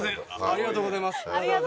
ありがとうございます。